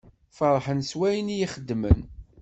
Ferḥen s wayen iyi-xedmen.